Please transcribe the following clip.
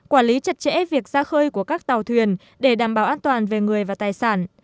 quản lý chặt chẽ việc ra khơi của các tàu thuyền để đảm bảo an toàn về người và tài sản